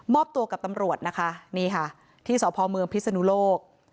อบตัวกับตำรวจนะคะนี่ค่ะที่สพเมืองพิศนุโลก